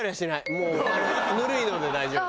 もうぬるいので大丈夫。